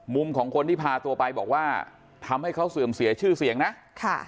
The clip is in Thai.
ของคนที่พาตัวไปบอกว่าทำให้เขาเสื่อมเสียชื่อเสียงนะค่ะ